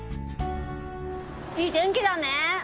いい天気だね。